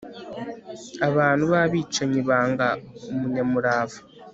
abantu b'abicanyi banga umunyamurava